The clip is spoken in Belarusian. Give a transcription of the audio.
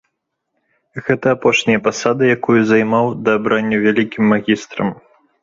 Гэта апошняя пасада, якую займаў да абрання вялікім магістрам.